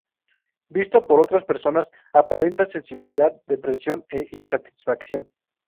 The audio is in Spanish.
Visto por otras personas, aparenta sensibilidad, depresión e insatisfacción.